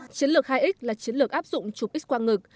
chiến lược hai x là chiến lược áp dụng chụp x quang ngực